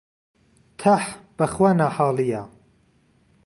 تەح، بەخوا ناحاڵییە